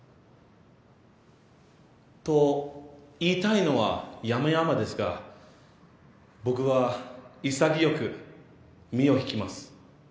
と言いたいのは山々ですが僕は潔く身を引きます。